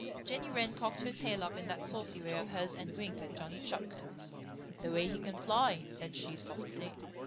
Jenny Wren cocked her tail up in that saucy way of hers and winked at Johnny Chuck. "The way he can fly," said she softly.